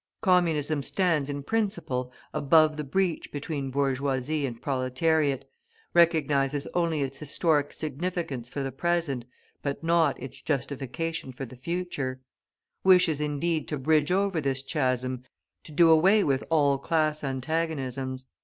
Communism stands, in principle, above the breach between bourgeoisie and proletariat, recognises only its historic significance for the present, but not its justification for the future: wishes, indeed, to bridge over this chasm, to do away with all class antagonisms.